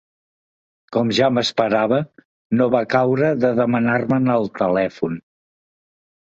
Com ja m'esperava, no va caure de demanar-me'n el telèfon.